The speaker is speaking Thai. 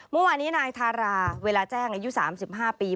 เมื่อวานนี้นายทาราเวลาแจ้งอายุ๓๕ปี